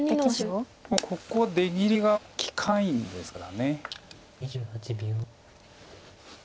でもここは出切りが利かないですから。